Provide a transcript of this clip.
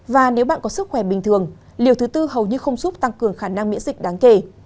và nếu bạn có sức khỏe bình thường liều thứ tư hầu như không giúp tăng cường khả năng miễn dịch đáng kể